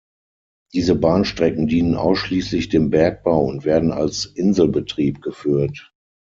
Diese Bahnstrecken dienen ausschließlich dem Bergbau und werden als Inselbetrieb geführt.